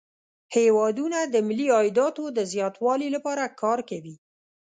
هیوادونه د ملي عایداتو د زیاتوالي لپاره کار کوي